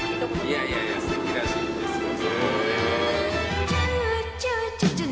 いやいやすてきらしいんですよ。